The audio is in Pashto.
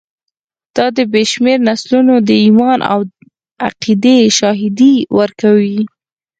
دا د بې شمېره نسلونو د ایمان او عقیدې شاهدي ورکوي.